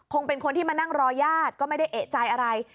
เป็นคนที่มานั่งรอญาติก็ไม่ได้เอกใจอะไร